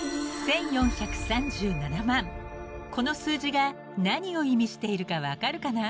［この数字が何を意味しているか分かるかな？］